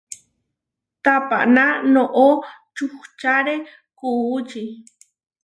Tapaná noʼó čuhčáre kuučí.